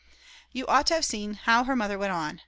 You ought to have seen how her mother went on.